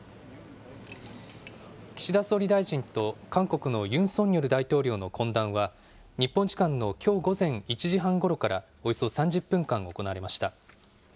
岸田総理大臣と韓国のユン・ソンニョル大統領との懇談は、日本時間のきょう午前１時半ごろからおよそ３０分間行われました。